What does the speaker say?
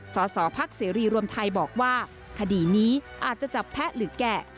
สสพักเสรีรวมไทยบอกว่าคดีนี้อาจจะจับแพะหรือแกะ